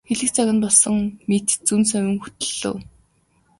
Хэлэх цаг нь болсон мэт зөн совин хөтөллөө.